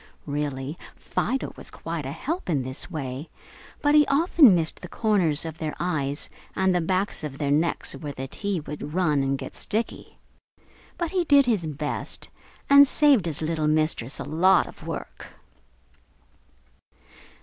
Really, Fido was quite a help in this way, but he often missed the corners of their eyes and the backs of their necks where the "tea" would run and get sticky. But he did his best and saved his little Mistress a lot of work.